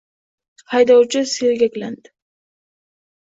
Haydovchi sergaklandi.